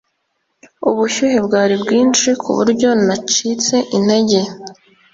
Ubushyuhe bwari bwinshi ku buryo nacitse intege